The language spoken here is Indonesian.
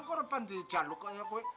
kok harus bantuin jalur kaya gue